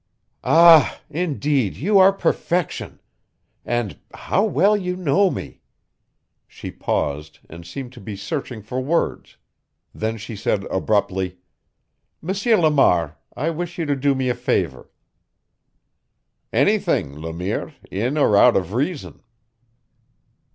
"Ah! Indeed, you are perfection. And how well you know me." She paused and seemed to be searching for words; then she said abruptly: "M. Lamar, I wish you to do me a favor." "Anything, Le Mire, in or out of reason."